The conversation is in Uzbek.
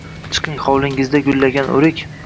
Chiqing, hovlingizda gullagan o’rik